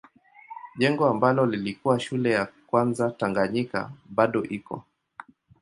Jengo ambalo lilikuwa shule ya kwanza Tanganyika bado iko.